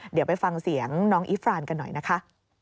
เดี๋ยวไปฟังเสียงน้องอีฟรานกันหน่อยนะคะ